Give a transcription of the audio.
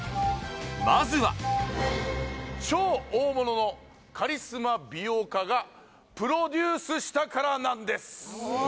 まずは超大物のカリスマ美容家がプロデュースしたからなんです